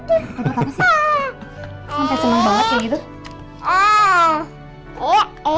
sampai senang banget kayak gitu